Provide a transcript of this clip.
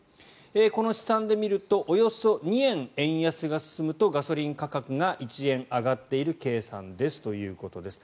この試算で見るとおよそ２円、円安が進むとガソリン価格が１円上がっている計算ですということです。